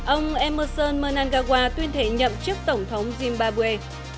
ông emerson mnangawa tuyên thể nhậm trước tổng thống zimbabwe